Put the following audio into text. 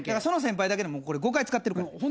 その先輩だけでも５回使ってるから。